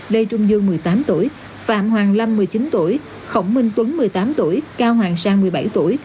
lê trung dương một mươi tám tuổi phạm hoàng lâm một mươi chín tuổi khổng minh tuấn một mươi tám tuổi cao hoàng sang một mươi bảy tuổi